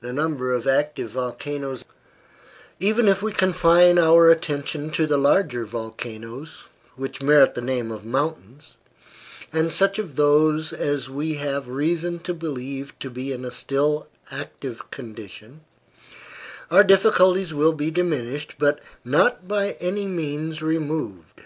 NUMBER OF ACTIVE VOLCANOES Even if we confine our attention to the larger volcanoes, which merit the name of mountains, and such of these as we have reason to believe to be in a still active condition, our difficulties will be diminished, but not by any means removed.